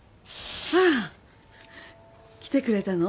あら来てくれたの？